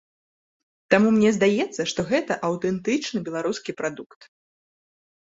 Таму мне здаецца, што гэта аўтэнтычны беларускі прадукт.